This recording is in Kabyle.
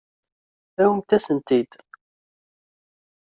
Awimt-asen-ten-id.